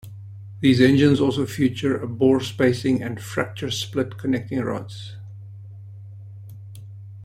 These engines also feature a bore spacing and fracture-split connecting rods.